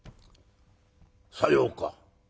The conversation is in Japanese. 「さようか。